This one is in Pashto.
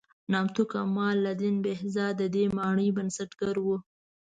نامتو کمال الدین بهزاد د دې مانۍ بنسټګر و.